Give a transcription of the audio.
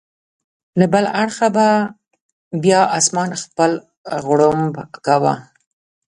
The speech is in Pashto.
له بل اړخه به بیا اسمان خپل غړومب کاوه.